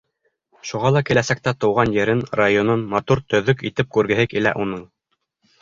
Шуға ла киләсәктә тыуған ерен, районын матур, төҙөк итеп күргеһе килә уның.